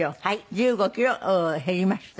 １５キロ減りました。